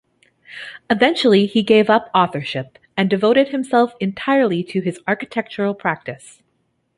Eventually he gave up authorship, and devoted himself entirely to his architectural practice.